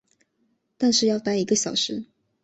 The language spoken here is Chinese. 但是要待一个小时